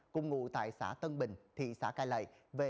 cùng ngụ tài xã tân bình thị xã cai lệ